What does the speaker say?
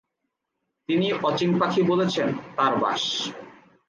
তিনি অচিন পাখি বলেছেন, তার বাস।